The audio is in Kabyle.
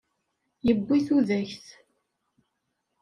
Yewwi tudayt.